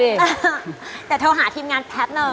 เดี๋ยวโทรหาทีมงานแพบนึง